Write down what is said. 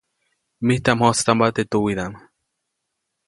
Mijtaʼm mjojtstampa teʼ tuwiʼdaʼm.